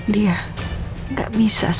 dia gak bisa dive